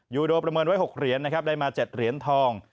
โดประเมินไว้๖เหรียญนะครับได้มา๗เหรียญทอง